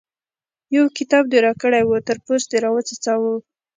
يو کتاب دې راکړی وو؛ تر پوست دې راوڅڅاوو.